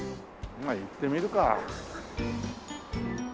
行ってみるか。